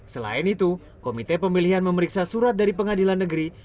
selain itu komite pemilihan memeriksa surat dari pengadilan negeri